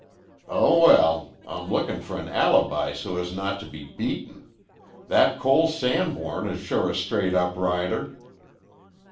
"Oh, well! I'm lookin' for an alibi so as not to be beaten. That Cole Sanborn is sure a straight up rider."